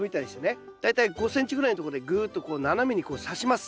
大体５ｃｍぐらいのとこでぐっとこう斜めにこうさします。